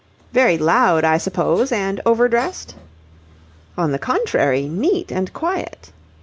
"Very loud, I suppose, and overdressed?" "On the contrary, neat and quiet."